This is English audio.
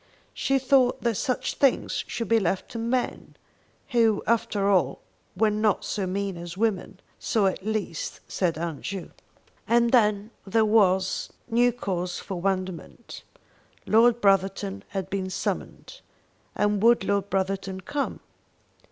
She thought that such things should be left to men, who after all were not so mean as women; so, at least, said Aunt Ju. And then there was new cause for wonderment. Lord Brotherton had been summoned, and would Lord Brotherton come?